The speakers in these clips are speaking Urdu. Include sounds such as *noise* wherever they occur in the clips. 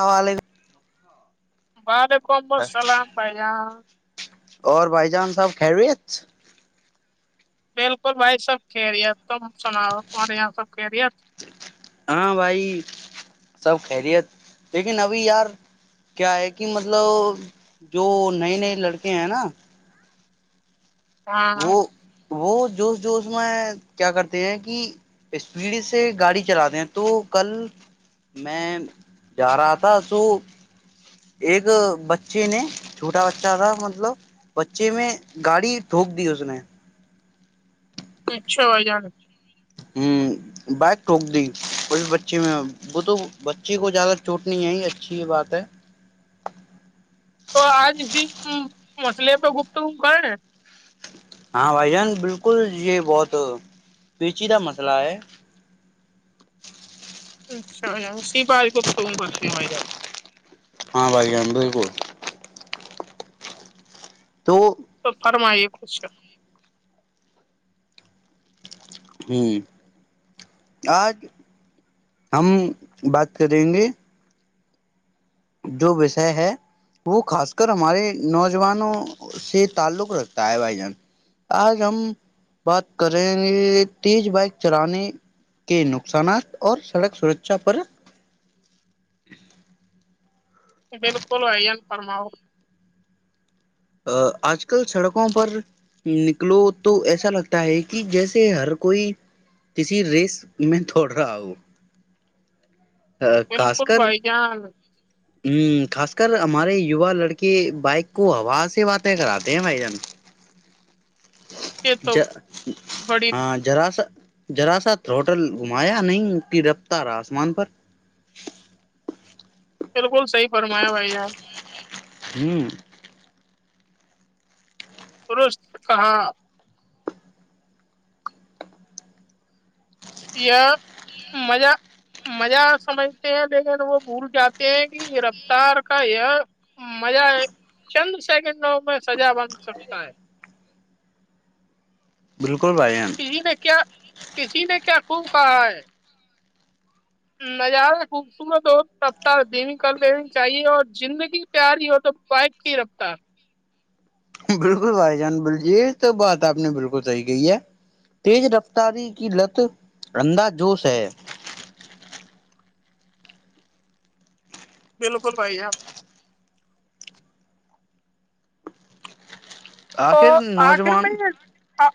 آوال *unintelligible* بعد *unintelligible* کم ب سلام بھائیا *unintelligible* اور بھائی جان سب خلیت بالکل بھائی سب خیریت تو سنا تمہارے یہاں سب خریت ہاں بھائی سب خیریت لیکن ابھی یار کیا ہے کہ مطلب جو نئے نئے لڑکے ہیں نا *unintelligible* ہاں *unintelligible* وہ وہ جوش جوش میں کیا کرتے ہیں کہ اسپیڈ سے گاڑی چلاتے ہیں تو کل میں جا رہا تھا توو *unintelligible* ایک بچے نے چھوٹا بچہ تھا مطلب بچے میں گاڑی ھوک دی اس نے اچھا جان *unintelligible* ہ بائک ٹوک دی کو بچی میں وہ تو بچی کو زیادہ چوٹ نہیں ہے اچھی یہ بات ہے تو آج جی *unintelligible* ہ مچھلی ا تو گپ تو گ کرے ن *unintelligible* ہاں بھائی جان بالکل یہ بہت پیچیید مسئلہ ہے اچھا سی بج گبت گن کر ت و جات ہاں بھائی جان بالکل تو *unintelligible* تو فرمائیے خوش *unintelligible* ہوں آج ہم بات کریں گے *unintelligible* جو وشے ہے وہ خاص کر ہمارے نوجوانوں سے تعلق رکھتا ہے بھائی جان آج ہم بات کریںے تیز بائک چلانے کے نقصانات اور سڑک سرشا پر *unintelligible* بالکل ہے فرماؤ *unintelligible* آج کل سڑکوں پر نکلو تو ایسا لگتا ہے کہ جیسے ہر کوئی کسی ریس میں دوڑ رہا ہو خاص بالکل کر بھائی جان *unintelligible* ہ خاص کر ہمارے یوا لڑکے بائک کو ہوا سے باتیں کراتے ہیں بھائی جان یہ ج تو بڑی ہاں جرا سا *unintelligible* جذرا سا ہوٹل گھمایا نہیں کہ رفتارارا آسمان پر بالکل صحی فرمایا بھائی یار *unintelligible* ہوں پرست نے کہاں *unintelligible* یہ مزہ مزہ سمجھتے ہیں لیکن وہ بھول جاتے ہیں کہ یہ رفتار کا یہ مزہ چند سیکنڈوں میں سجا بن سکتا ہے *unintelligible* گروپ *unintelligible* ن کیا *unintelligible* کسی نے کیا خب کہا ہے *unintelligible* نظارہ خوبصورت ہو رفتار دینی کر دینی چاہیے اور زندگی پیاری ہو تو بائیک کی رفتار *unintelligible* بالکل بھائی جان بلجیر تو بات آپ نے بالکل صحی کہی ہے تیز رفتاری کی لت انندا جوش ہے بالکل بھائی ار *unintelligible* تو آخر آخر میں نوجوان یہ *unintelligible*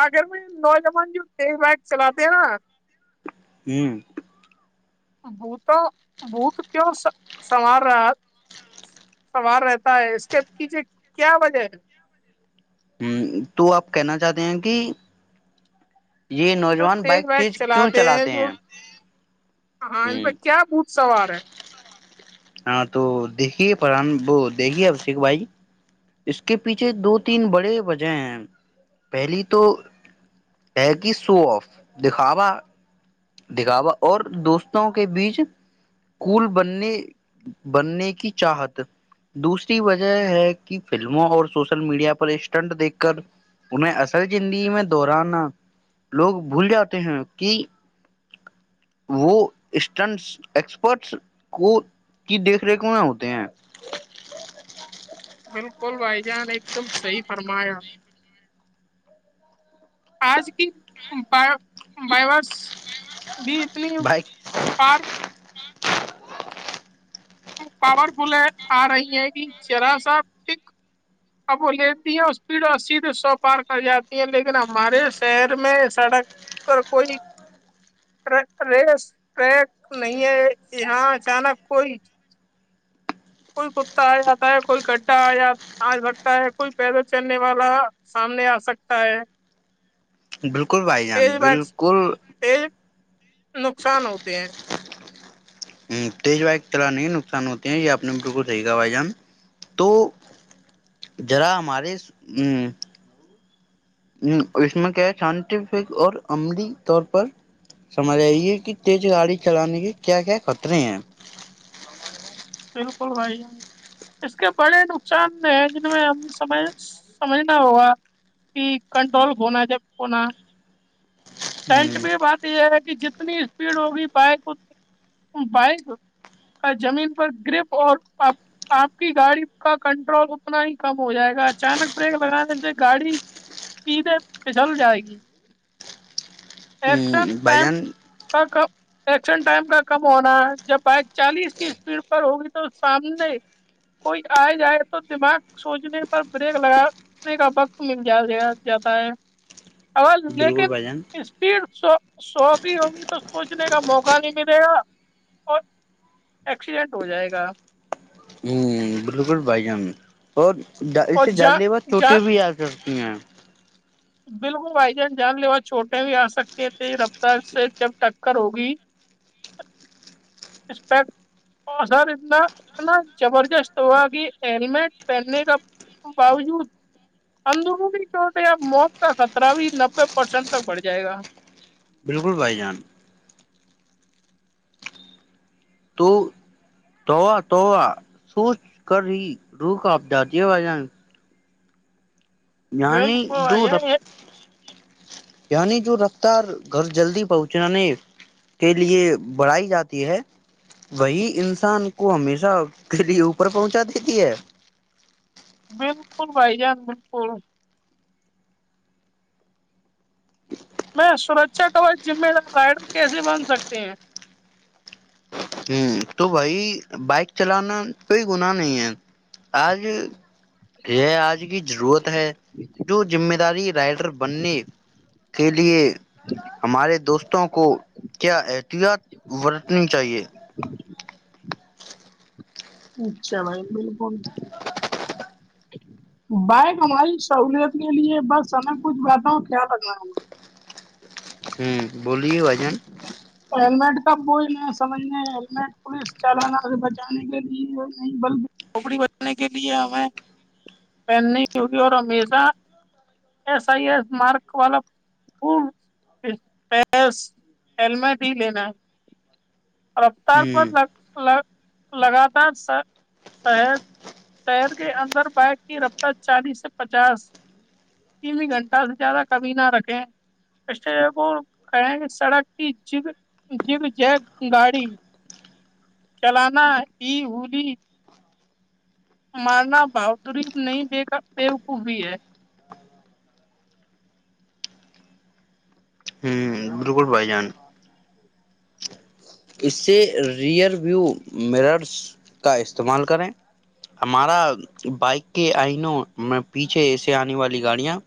آگر میں نوجوان جو بائک چلاتے ہیں نا ہ *unintelligible* بت بھوت کیوں سنوار رہا سنوار رہتا ہے اس کے پیھے کیا وجہ ہے *unintelligible* ہ تو آپ کہنا چاہتے ہیں کہ *unintelligible* یہ جو نوجوان تیز بائک بگ کیوں چلاتے ہیں جو ہاں ان پ ہ کیا بھ سوار ہے *unintelligible* ہاں تو دیکھیے پران وہ دیکھیے ابشیک بھائی اس کے پیچھے دو تین بڑے وجہ ہیں پہلی تو ہے کہ سو آف دکھاوا *unintelligible* دکھاوا اور دوستوں کے بیچ کول بننے بننے کی چاہت دوسری وجہ ہے کہ فلموں اور سوشل میڈیا پر اسٹنٹ دیکھ کر انہیں اصل زندگی میں دہرانا لوگ بھول جاتے ہیں کہ وہ اسٹنٹ ایکسپرٹس کو کی دیکھ ریکھ میں ہوتے ہیں *unintelligible* بالکل بھائی جان ایک دم صحی فرمایا آج کی ب بائیورس *unintelligible* بھی اتنی بائک پار *unintelligible* پاورفل آ رہی ہے کہ جذرا سا پک *unintelligible* اب وہ لیتی ہے اور اسپیڈ اور سیھ سو پار کر جاتی ہے لیکن ہمارے شہر میں سڑک پر کوئی ریس ٹریک نہیں ہے یہاں اچانک کوئی *unintelligible* کوئی کتا آ جاتا ہے کوئی گڈھا آ آ سکتا ہے کوئی پیدل چلنے والا سامنے آ سکتا ہے *unintelligible* بالکل بھائی جان ایج بائکس بالکل ایج *unintelligible* نقصان ہوتے ہیں *unintelligible* تیز وائی طرح نہیں نقصان ہوتے یہ آپ نے بالکل صحیح کہا بھائی جان تو جذرا ہمارے ا اس میں کیا سائنٹیفک اور عملی طور پر سمجھ آئی ہے کہ تیز گاڑی چلانے کے کیا کیا خطرے ہیں بالکل بھائی اس کے بڑے نقصان ہیں جن میں ہم سمجھ سمجھنا ہوگا کہ کنٹرول ہونا جب ہونا *unintelligible* ہ سینٹ بھی بات *unintelligible* یہ ہے کہ جتنی اسپیڈ ہوگی بائک بائک کا زمین پر گرپ اور آپ کی گاڑی کا کنٹرول اتنا ہی کم ہو جائے گا اچانک بریک لگانے سے گاڑی سیدھے پچل جائے گی *unintelligible* ایکشن بھائی ٹائم جان کا کا *unintelligible* ایکشن ٹائم کا کم ہونا جب بائک چالیس کی اسپیڈ پر ہوگی تو سامنے کوئی آئے جائے تو دماغ سوچنے پر بریک لگانے کا وقت مل جیا جاتا ہے آواز لیک *unintelligible* ب جان *unintelligible* سو سوگی ہوگی تو سوچنے کا موقع نہیں ملے گا اور ایکسیڈینٹ ہو جائے گا *unintelligible* ہوں بالکل بھائی جان اور *unintelligible* اور اسے ڈالنے بعد جان چوٹے جان بھی آ کر ہ *unintelligible* بالکل بھائی جان جان لیوا چھوٹے بھی آ سکتے تھے رفتار سے جب ٹککر ہوگی اسر اتنا اتنا زبردست ہوا کہ ہیلمٹ پہننے کا باوجود اندرونی چوٹ یا موت کا خطرہ بھی نبے پرسینٹ تک بڑھ جائے گا *unintelligible* بالکل بھائی جان تو توا- توا سوچ کر ہی رو آپ ج دے ب جان- جانی بالکل بھائی جان، دوورپ- یہ یعنی جو رفتار گھر جلدی پہنچانے کے لیے بڑھائی جاتی ہے وہی انسان کو ہمیشہ کے لیے اوپر پہنچا دیتی ہے- بالکل بھائی جان بالکل میں سرچا ٹ جمہ دار رائڈر کیسے بن سکتے ہیں ہ تو بھائی بائک چلانا کوئی گنااہ نہیں ہے آج یہ آج کی ضرورت ہے جو ذمہ داری رائڈر بننے کے لیے ہمارے دوستوں کو کیا احتیاط برتنی چاہیے- اچھا نہیں م فون *unintelligible* بائک ہماری سہوولت کے لیے بس ہمیں کچھ بتاا ہوں کیا لگناا ہے ہم ہوں بولیو اجم *unintelligible* ہیلمٹ کا کوئی نہیں سمجھنے ہیللمٹ پولیس چالانا سے بچانے کے لیے نہیں بلکھوپڑی بچانے کے لیے ہمیں پہننی ہوگی اور ہمیشہ ایس آئی ایس مارک والا ہیلمیٹ سی لینا *unintelligible* رفتار ہ پرگگ لگاتار شر شہر کے اندر بائک کی رفتار چالیس سے پچاس ت گھنٹہ سے زیادہ کمی نہ رکھیں کو کہیں کہ سڑک کی جگ جیب ج گاڑی *unintelligible* چلانا ہی ہولی مارنا بہادری نہیں بےیک بےوقوبی ہے بائی جان *unintelligible* اس سے ریئر وو مررس کا استعمال کریں ہمارا بائک کے آئنوں میں پیچھے ایے آنے والی گاڑیاں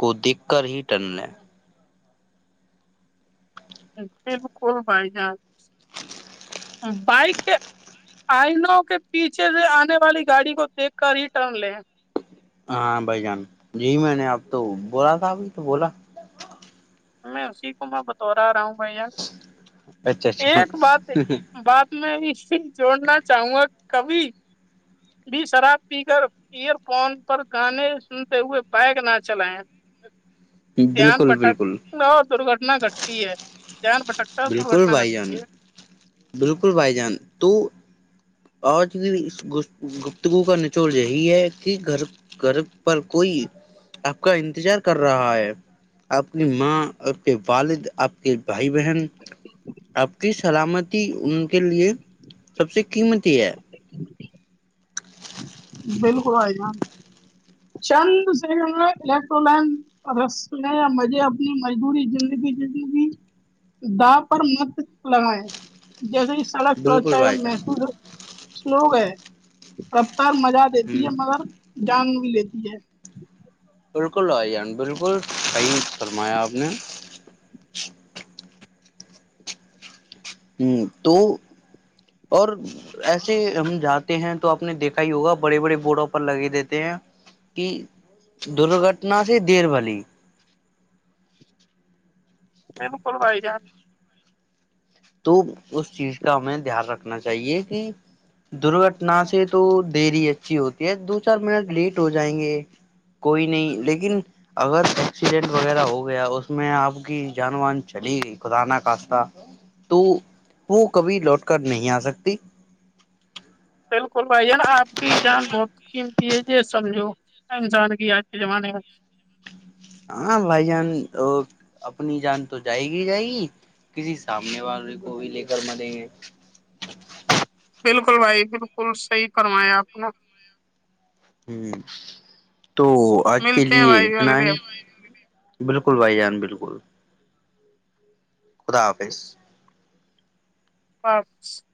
کو دیکھ کر ہی ٹن لے بالکل بھائی جان بائک کے آئنوں کے پیچھے سے آنے والی گاڑی کو دیکھ کر ریٹرن لے ہاں بھائی جان جی میں نے اب تو بولا تھا ابھی تو بولا میں اسی کو میں بطور آ رہا ہوں بھ یہار اچھا اچھا ایک بات ہے بات میں جوڑنا چاہوں گا کبھی بھی شراب پ کرر ایئر فون پر گانے سنتے ہوئے بیگ نہ چلائے دھیان بالکل بٹک بالکل ن درگٹنا گٹ تی ہے *unintelligible* بھٹکتا اور بالکل درگھٹنا بھائی جان گھٹتی ہے بالکل بھائی جان تو اورج بھی اس گفتگو کا نچوڑ یہی ہے کہ گھر گھر پر کوئی آپ کا انتظار کر رہا ہے آپ کی ماں آ کے والد آپ کے بھائی بہن آپ کی سلامت ان کے لیے سب سے قیمتی ہے- بالکل بھائی جان چند سے الیکٹر لائن رس لیں یا مجھے اپنی مجبوری زندگی جیتنے کی داو پر مت لگائیں جیسے سڑک بالکل تو بھائی جان محسوس ہو لوگ ہے کب سر مزہ ہ دیتی ہے مگر جان ج س *unintelligible* بالکل آان بالکل صحیح فرمایا آپ نے *unintelligible* ہ تو اور ایسے ہم جاتے ہیں تو آپ نے دیکھا ہی ہوگا بڑے بڑے بورڈوں پر لگے دیتے ہیں کہ درگھٹنا سے دیر بھلی ب کلوائی جان *unintelligible* تو اس چیز کا ہمیں دھیان رکھنا چاہیے کہ درگھٹنا سے تو دری اچھی ہوتی ہے دو چار منٹ لیٹ ہو جائیں گے کوئی نہیں لیکن اگر ایکسیڈینٹ وغیرہ ہو گیا اس میں آپ کی جان وان چلی گئی خد ن کاسہ *unintelligible* تو وہ کبھی لوٹ کر نہیں آ سکتی تیل کروا یہ *unintelligible* آپ کی جان بہت اھی یہ یہ سمجھو انسان کی آج کے زمانے میں *unintelligible* ہاں بھائی جان اپنی جان تو جائے گی جائے گی کسی سامنے والے کو بھی لے کر مریں گے بالکل بھائی بالکل صحیح کروایا آپ نے ہوں تو آج کے ملتے ہیں لیے بھائی اتنا اگلے ہی بالکل بھائی جان بالکل خدا حافظ پانچ *unintelligible*